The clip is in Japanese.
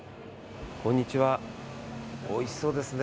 こんにちは、おいしそうですね。